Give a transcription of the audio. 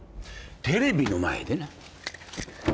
テレビの前でな。